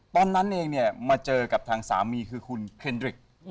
ตอนนั้นเองเนี่ยมาเจอกับทางสามีคือคุณเคนดริก